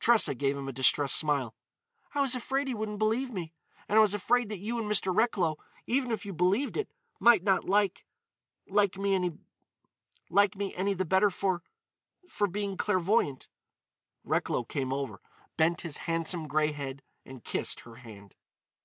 Tressa gave him a distressed smile: "I was afraid he wouldn't believe me. And I was afraid that you and Mr. Recklow, even if you believed it, might not like—like me any the better for—for being clairvoyant." Recklow came over, bent his handsome grey head, and kissed her hand.